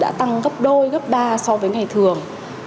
đã tăng gấp đôi gấp ba so với ngày thường